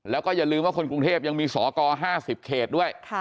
แล้วก็อย่าลืมว่าคนกรุงเทพยังมีสอกร๕๐เขตด้วย